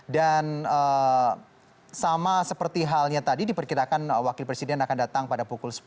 sama seperti halnya tadi diperkirakan wakil presiden akan datang pada pukul sepuluh